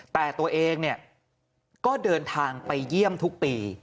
แต่ตัวเองเนี่ยก็เดินทางไปเยี่ยมทุกปี